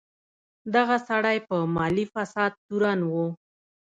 دغه سړی په مالي فساد تورن و.